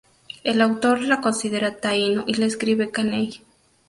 El autor la considera taíno y la escribe "caney".